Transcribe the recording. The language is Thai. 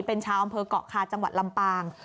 เป็นชาวอำเภอกเกาะคาจังหวัดลำปาง